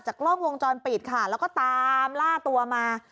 กล้องวงจรปิดค่ะแล้วก็ตามล่าตัวมา